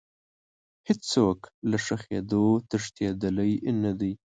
هیڅ څوک له ښخېدو تښتېدلی نه دی.